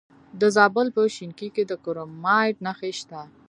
د زابل په شینکۍ کې د کرومایټ نښې شته.